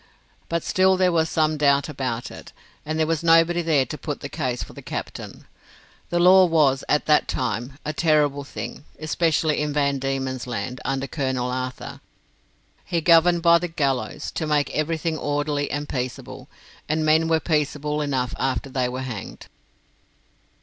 But still there was some doubt about it, and there was nobody there to put the case for the captain. The law was, at that time, a terrible thing, especially in Van Diemen's Land, under Colonel Arthur. He governed by the gallows, to make everything orderly and peaceable, and men were peaceable enough after they were hanged.